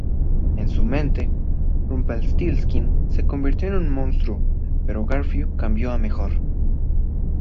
En su mente, Rumplestiltskin se convirtió en un monstruo, pero Garfio cambió a mejor.